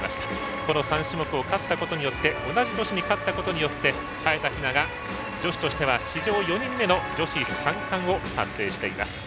この３種目を同じ年に勝ったことによって早田ひなが女子としては史上４人目の女子三冠を達成しています。